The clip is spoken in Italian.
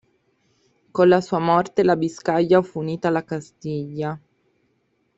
Con la sua morte la Biscaglia fu unita alla Castiglia.